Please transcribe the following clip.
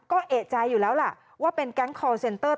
ก็เอกใจอยู่แล้วล่ะว่าเป็นแก๊งคอร์เซ็นเตอร์